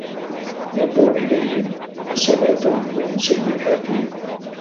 اُنْظُرْ إلَيْهِمْ حَسَنَاتُهُمْ مِنْ سَيِّئَاتِهِمْ